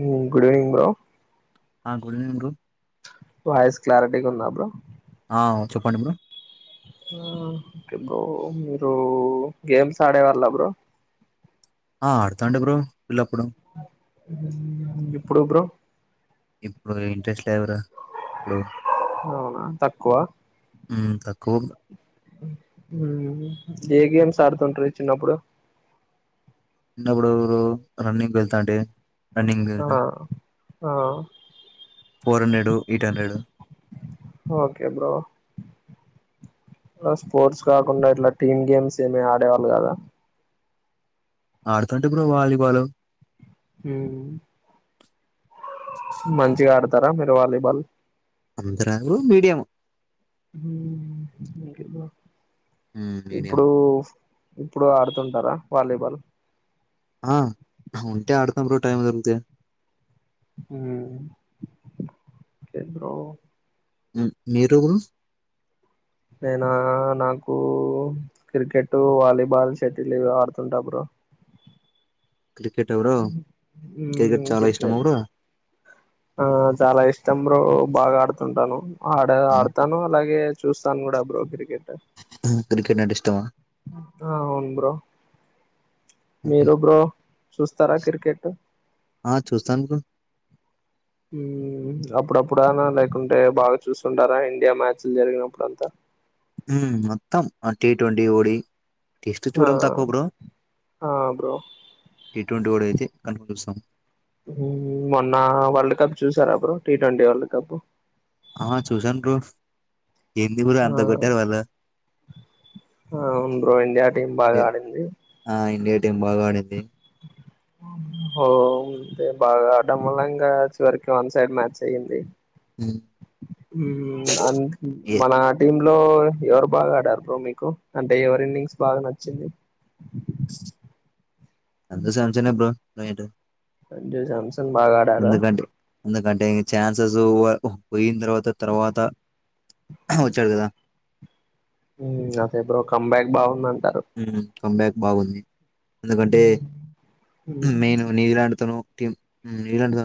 ఉమ్ good evening ఆ good evening voice క్లారిటీగా ఉందా బ్రో ఆ చెప్పండి బ్రో ఆ ఓకే బ్రో మీరు గేమ్స్ ఆడే వాళ్ళ బ్రో ఆ అడుతాండే బ్రో పిల్లప్పుడు ఇప్పుడు బ్రో ఇప్పుడు ఇంట్రెస్ట్ లేదురా ఇప్పుడు అవునా తక్కువ ఉమ్ తక్కువ బ్రో హుమ్ ఏ గేమ్స్ ఆడుతుంటిరి చిన్నప్పుడు చిన్నప్పుడు రన్నింగ్ వెళ్తాంటే రన్నింగ్ ఆ ఆ four hundred eight hundred okay bro sports కాకుండా ఇట్లా టీమ్ గేమ్స్ ఏమి ఆడేవాళ్ళు కాదా ఆడుతుంటి బ్రో వాలీబాలు మ్ మంచిగా ఆడతారా మీరు వాలీబాల్ అంతరాదు మీడియం ఉమ్ ఇంకేం బ్రో ఉమ్, మీడియం ఇప్పుడూ ఇప్పుడు ఆడుతుంటారా వాలీబాల్ ఆ ఉంటే ఆడతాం బ్రో టైమ్ దొరుకుతే ఆ ఒకే బ్రో ఉమ్ మీరు బ్రో నేనా నాకు క్రికెట్, వాలీబాల్, షటిల్ ఇవి ఆడుతుంట బ్రో క్రికెట్ ఎవరు క్రికెట్ చాలా ఇష్టం ఎవరొ ఆ చాలా ఇష్టం బ్రో బాగా ఆడుతుంటాను ఆడే ఉమ్, ఆడతాను అలాగే చూస్తాను కూడా బ్రో క్రికెట్ మ్ క్రికెట్ అంటే ఇష్టమా ఆ అవును బ్రో ఉహు. మీరు బ్రో చుస్తారా క్రికెట్ ఆ చూస్తాను బ్రో ఉమ్ అప్పుడప్పుడనా లేకుంటే బాగా చూసుండారా ఇండియా మ్యాచ్లు జరిగినప్పుడు అంతా మ్ మొత్తం ఆ టీ ట్వంటీ ఓడి టెస్ట్ ఆ చూడం తక్కువ బ్రో ఆ బ్రో టీ ట్వంటీ వాడైతే కనుకొస్తం మొన్న వరల్డ్ కప్ చూసారా bro T twenty world cup ఆ చూసాను బ్రో ఏంది బ్రో ఆ అంత కొట్టారు వాళ్ళు అవును బ్రో ఇండియా టీం బాగా లే- ఆడింది ఆ ఇండియా టీం బాగాడింది వామ్ ఓ హో బాగాడ్డంమూలంగా చివరికి వన్ సైడ్ మ్యాచ్ అయ్యింది హ్ ఉమ్ అన్ మన టీమ్ లో ఎవరు బాగా ఆడారు బ్రో మీకు అంటే ఎవరిన్నింగ్స్ బాగా నచ్చింది సంజు శాంసనే బ్రో మెయిన్ సంజు శాంసన్ బాగా ఆడారా ఎందుకంటె ఎందుకంటే ఇంగ ఛాన్సెస్ పోయిన తర్వాత తర్వాత వచ్చాడు కదా అదే బ్రో కమ్ బాక్ బాగుందని ఉమ్ హు కంబ్యాక్ బాగుంది ఎందుకంటే మెయిన్ న్యూజిలాండ్ తోనో టీం న్యూజిలాండ్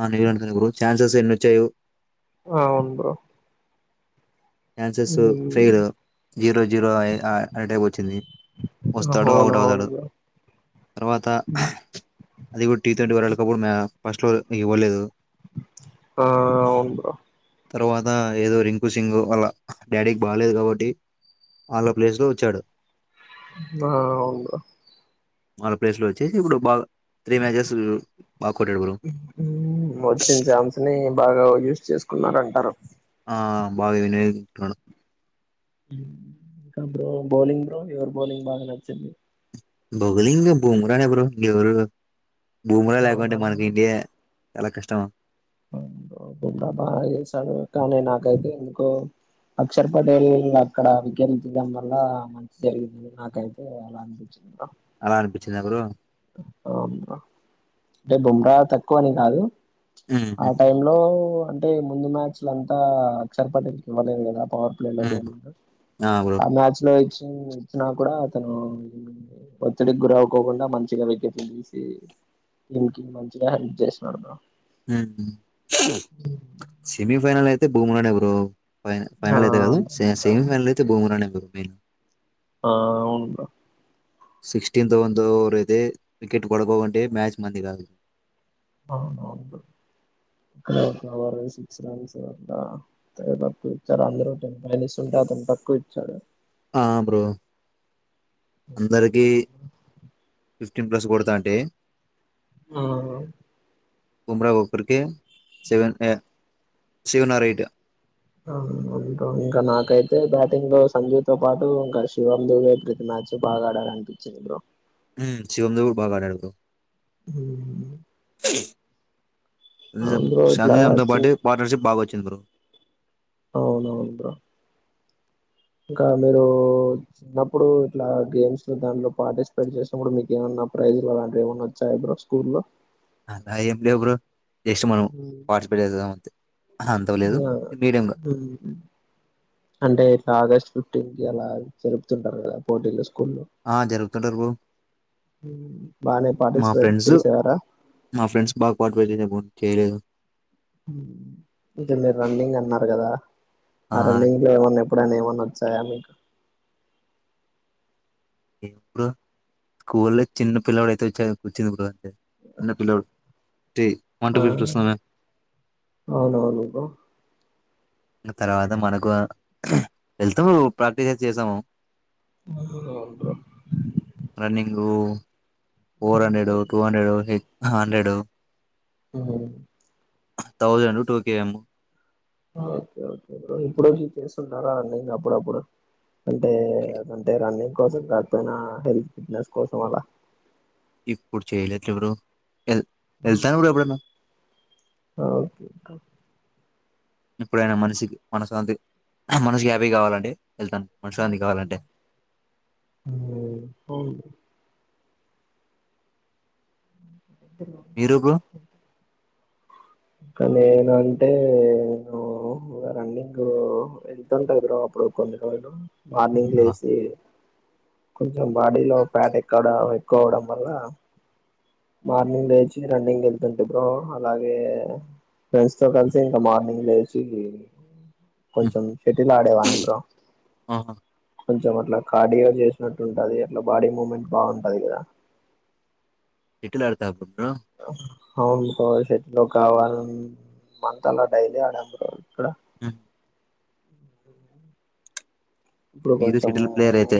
ఆ న్యూజిల్యాండ్ తో నే బ్రో ఛాన్సెస్ ఎన్నోచ్చాయో అవును bro chances fail zero zero అయ్ అయ్యే టైమ్ వచ్చింది వస్తాడు అవును అవుట్ అవును అవుతాడు బ్రో తర్వాత అది కూడా టీ ట్వంటీ వరల్డ్ కప్ మ్య ఫస్ట్లో ఇవ్వలేదు ఆ అవును బ్రో తర్వాత ఏదో రిం కు సింగు వాళ్ళ డాడీకి బాగాలేదు కాబట్టి వాళ్ళ ప్లేస్లో వచ్చాడు ఆ అవును బ్రో వాళ్ళ ప్లేస్ లో వచ్చి ఇప్పుడు బాగా త్రీ మ్యాచెస్ బాగా కొట్టాడు బ్రో వచ్చిన ఛాన్స్ ని బాగా యూస్ చేసుకున్నారంటారు ఆ బాగా యూస్ చేసుకున్నాడు ఇంకా బ్రో బౌలింగ్ బ్రో ఎవరి బౌలింగ్ బాగా నచ్చింది బౌలింగ్ బుమ్రానే బ్రో ఇంగేవరు బుమ్రా లేకుంటే మనకి అవునా ఇండియా చాలా కష్టం బుమ్రా బాగా ఏశాడు కానీ నాకైతే ఎందుకో అక్షర్ పటేల్ అక్కడ వికెట్లు తీయడం వల్ల మంచి జరిగింది నాకైతే అలా అనిపి చింది బ్రో అలా అనిపించిందా బ్రో అవును బ్రో అంటే బుమ్రా తక్కువ అని కాదు ఉమ్, ఆ టైమ్ లో అంటే ముందు మ్యాచ్ల అంతా అక్షరపటేల్ కి ఇవ్వలేదు కదా పవర్ ప్లే లో ఉమ్, బౌలింగ్ ఆ మ్యాచ్ లో ఇచ్చినా కూడా అతను ఒత్తిడికి గురౌకోకుండా మంచిగా వికెట్లు తీసి వీనికి మంచిగా హెల్ప్ చేసినాడు బ్రో ఉహు సెమీఫైనల్ అయితే బుమ్రా నే బ్రో ఫైన్ ఆ ఫైనల్ అయితే కాదు సె సెమీఫైనల్ అయితే బుమ్రానే బ్రో మెయిన్ ఆ అవును బ్రో సిక్స్టీ న్త్ వంద ఓవర్ ఐతే వికెట్ పడబోంటే మ్యాచ్ మందిగాదు అవును అవును ఒక హాఫ్నహౌర్ సిక్స్ రన్స్ [unintelligible] అందరూ పయనిస్తుంట అతను తక్కువ ఇచ్చాడు ఆ బ్రో అందరికీ ఫిఫ్టీన్ ప్లస్ కొడతాంటే ఆవును కుంరా ఒకరికి seven uh seven or eight అహ్ ఉంక ఇంకా నాకైతే బ్యాటింగ్తో సంజీ తో పాటు ఇంకా శివం దువే ప్రీతి మ్య చి బాగ ఆడారు అనిపించింది బ్రో శివముదొ బాగాడాడు బ్రో ఉమ్ అవును బ్రో ఇట్లా శాంతి అంతతో చి పాటే పార్ట్నర్షిప్ బాగా వచ్చింది బ్రో అవునవును బ్రో ఇంకా మీరు చిన్నప్పుడు ఇట్లా గేమ్స్ లో దాంట్లో పార్టిసిపేట్ చేసినప్పుడు కూడా మీకేమన్నా ప్రైజ్లు అలాంటివి ఏమన్న వచ్చాయ బ్రో స్కూల్ లో అలా ఏంలేవు బ్రో జస్ట్ మనం పార్టిసిపేట్ చేస్థం అంతే అంత లేదు ఆ ఇది మీడియంగా హ్మ్ అంటే ఇట్లా ఆగస్ట్ ఫిఫ్టీన్ కి అలా జరుపుతుంటారు కదా పోటీలు స్కూల్లో ఆ జరుగుతుంటరు బ్రో బానే మా పార్టిసిపేట్ ఫ్రెండ్సు చేసేవారా మా ఫ్రెండ్స్ బాగా పార్టీ [unintelligible] బ్రో చేయలేదు అంటే మీరు రన్నింగ్ అన్నారు కదా ఆ రన్నింగ్ లో ఏమన్నా ఎప్ డన్న ఏమన్న వచ్చాయ అని ఎప్పుడు స్కూల్ల్లో చిన్న పిల్లోడు అయితే వచ్చే వచ్చింది బ్రో చిన్న పిల్లోడు ఆ అవునవును బ్రో తర్వాత మనకు వెల్తూ ప్రాక్టీసయితే చేస్థాము bro running four hundred two hundred హే హండ్రెడు ఉమ్ థౌజండ్ టూకే ఏమ్ ఓకే ఓకే బ్రో ఇప్పుడె మీ చేస్తుంటారండి అప్పుడప్పుడు అంటే అంటే రన్నింగ్ కోసం కాకపోయినా హెల్త్ ఫిట్నెస్ కోసం అలా ఇప్పుడు చేయలేట్లే బ్రో ఎల్ ఎల్తాను ఎప్పుడన్న ఓకే ఇప్పుడైనా మనిషికి మనసు శాంతి మనసుకి హ్యాపీ కావాలంటె ఉమ్ అవును మీరు బ్రో కానీ నేను అంటే ను రన్నింగ్ బ్రో వెళ్తుంట బ్రో అప్పుడు కొన్ని రోజులు మార్నింగ్ లేసి కొంచెం బాడీలో ఫ్యాట్ ఎక్కడ ఎక్కువ అవడం వల్ల మార్నింగ్ లేచి రన్నింగ్ వెళ్తుంట బ్రో అలాగే ఫ్రెండ్స్ తో కలిసి ఇంక మార్నింగ్ లేచి కొంచెం శెటిలాడే వాడిని బ్రో ఆహా కొంచెం అట్లా కార్డియో చేసినట్టు ఉంటది అట్లా బాడీ మూమెంట్ బాగుంటది కదా శెట్టిల్ అడుతా అప్డపు అమ్ అవునుకో శటిలో కావాలి మంత్ అలా డైలీ ఆడాలి ఇక్కడ ఉ ఇప్పుడు మీరు కొంచం షటిల్ ప్లేయర్ అయితే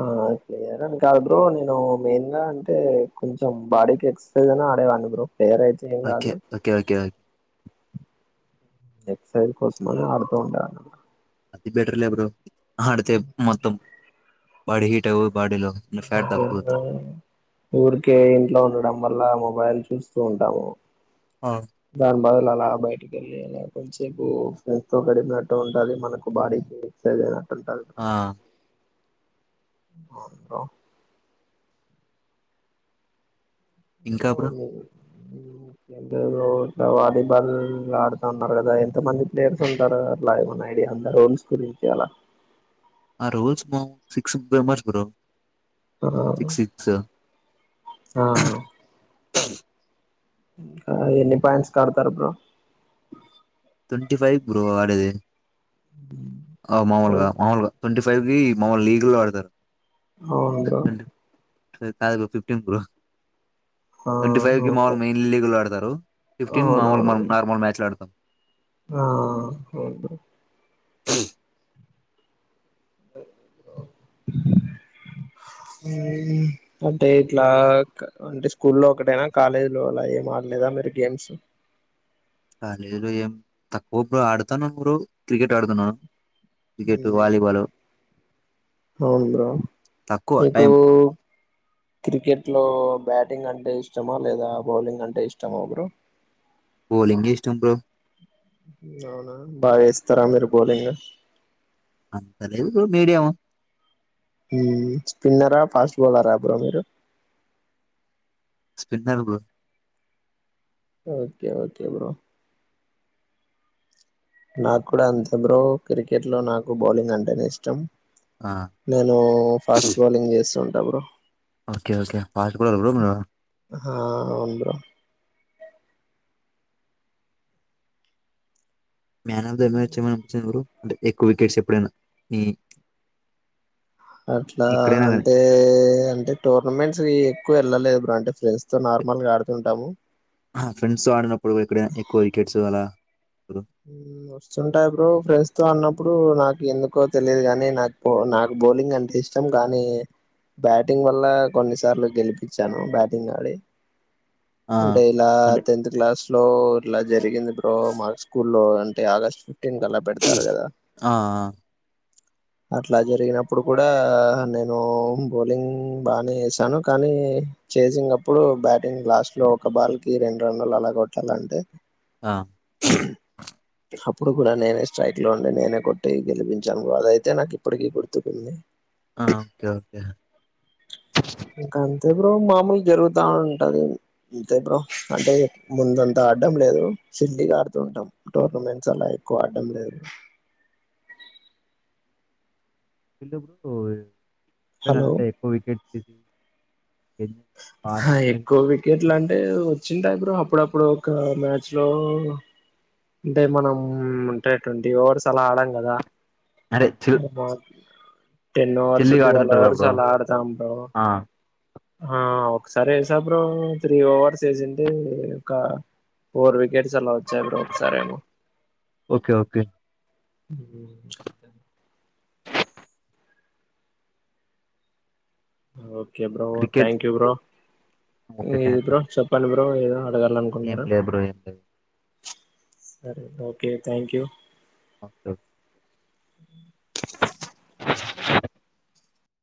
ఆమ్ క్లియరని కాదు బ్రో నేను మెయిన్గా అంటే కొంచెం బాడీకి ఎక్సర్సైజ్ అని ఆడేవాన్ని బ్రో వేరైతే ఏం ఓకే కాదు ఓకే ఓకే ఓకే ఎక్సర్సైజ్ కోసమని ఆడుతూ ఉంటన అది బెటర్లే బ్రో ఆడితే మొత్తం బాడీ హీట్ అవ్వు బాడీలో ఫ్యాట్ తగ్గుతుంది ఊరికే ఇంట్లో ఉండడం వల్ల ఓ వారిని చూస్తూ ఉంటాము. ఆఫ్ దాని బదులు అలా బయటకి వెళ్ళి అలా కాన్సేపు ఫ్రెండ్స్ తో గడిపినట్టు ఉంటాది. మనకు బాడీకి ఎక్సర్సైజలా ఉంటది కదా ఆ అవును బ్రో ఇంకా బ్రో అవును అంతే బ్రో వాలీబాల్ ఆడుతాన్నారు కదా ఎంత మంది ప్లేయర్స్ ఉంటారు. అట్లా ఏమన్నా ఐడి ఎంత లోన్స్ గురించి అలా ఆరోజు బామ్ సిక్స్ మెంబెర్స్ బ్రో ఆ సిక్సిక్స్ ఇలా ఎన్ని పాయింట్సుకి ఆడుతారు బ్రో. ట్వంటీ ఫైవ్ బ్రో ఆడేది. ఆ మామూలుగా మామూలుగా ట్వంటీ ఫైవ్ కి మామూలు లీగల్లో ఆడతారు. అవున్ బ్రో ఎ టైల్ ఫిఫ్టీన్ బ్రో ఆ ట్వంటీ ఫైవ్ కి మాముూలు మెయిన్ లీగలు ఆడతారు. ఫిఫ్టీన్ మాముూలు మన నార్మల్ మ్యాచ్లాడుతాం. హా అవును బ్రో ఉమ్ అంటే ఇట్లా అంటే స్కూల్లో ఒకటేనా కాలేజీలో అలా ఎమ్ లేదా మేరి గేమ్సు కాలేజీలో ఏం తక్కువ బ్రో ఆడుతాను బ్రో క్రికెట్ ఆడుతాను. క్రికెట్, మ్మ్. వాలీబల్ అవును బ్రో మీకూ టైం క్రికెట్ లో బ్యాటింగ్ అంటే ఇష్టమా, లేదా బౌలింగ్ అంటే ఇష్టమా బ్రో? బౌలింగే ఇష్టం బ్రో అవునా బాగ్ ఏస్తారా మీరు బౌలింగు? అంత లేదు మీడియం. ఉమ్ స్పిన్నరా, ఫాస్ట్ బౌలరా బ్రో మీరు? Spinner bro okay okay bro నాకూడా అంతే బ్రో క్రికెట్లో నాకు బౌలింగ్ అంటేనే ఇష్టం. ఆ నేనూ ఫాస్ట్ బౌలింగ్ చేస్తుంటా bro okay okay fast bowler bro మీరు హా అవును bro man of the match ఏమైనానిపించింద బ్రో అంటే ఎక్కువ వికెట్స్ ఎప్పుడైనా మీ అట్లా ఎక్కడైనా కానీ అంటే అంటే టోర్నమెంట్స్వి ఎక్కువ వెళ్ళలేదు. అంటే ఫ్రెండ్స్ తో నార్మల్ గా ఆడుతుంటాము. ఫ్రెండ్స్ తో ఆడినప్పుడు ఎక్కడయినా ఎక్కువ వికెట్స్ అలా బ్రో వస్తుంటాయి బ్రో ఫ్రెండ్స్ తో ఆడినం. ఇప్పుడు నాకెందుకో తెలీదు గానీ నాకు నాక్ బౌలింగ్ అంటే ఇష్టం కానీ బ్యాటింగ్ వల్ల కొన్నిసార్లు గెలిపిచాను బ్యాటింగ్ ఆడి ఆ అంటే ఇలా అంటే టెన్త్ క్లాస్లో ఇలా జరిగింది బ్రో మార్చ్ లో అంటే ఆగస్ట్ ఫిఫ్టీన్త్ అలా పెడ్తార్ గదా ఆ! అట్లా జరిగినప్పుడు కూడా నేను బౌలింగ్ బానే ఎసాను కానీ చేసింగ్ అప్పుడు బ్యాటింగ్ లాస్ట్ లో ఒక బాల్కి రెండు రన్లు అలా గోట్టాలంటే ఆ అప్పుడు గూడా నేనే స్ట్రైక్ లో ఉండి నేనే కొట్టి గెలిపించాను. అదయితే నాకు ఇప్పటికీ గుర్తుకుంది. ఆ ఓకే ఓకే ఇంకంతే బ్రో మామూల్ జరుగుతా ఉంటది ఇంతే బ్రో అంటే ముందంతా ఆడ్డం లేదు షెడ్డిల్ ఆడుతూ ఉంటాం టోర్నమెంట్స్ అలా ఎక్కు ఆడ్డం లేదు. హాయ్ ఎందుకు బ్రో క్రికెట్ హలో అంటే ఎక్కువ వికెట్ తీసి ఎంజాయ్ ఆ హా హ్యాపీనెస్ ఎక్కు వికెట్ ఇట్లంటే వచ్చిందా బ్రో అప్పుడప్పుడు ఒక మ్యాచ్లో అంటే మనం అంటే టే ట్వంటీ అవర్స్ అలా ఆడం గదా అరే చిల్ టెన్ అవర్స్, చిల్లీగా ట్వల్ ఆడుతుంటారుగా అవర్స్ బ్రో. అలా ఆడతాం బ్రో. ఆ! హా ఒక్సార్ ఏసా బ్రో త్రీ ఓవర్స్ వేసింటే ఒక ఫోర్ వికెట్స్ అలా వచ్చాయి బ్రో ఒకసారేమో ఓకే ఓకే. మ్మ్ అంతే okay bro cricket thank you bro ఏది బ్రో చెప్పండి బ్రో ఏదో అడగ ఏంలే బ్రో ఏం లేదు. సరే ఓకే థ్యాంక్యూ. అక్టో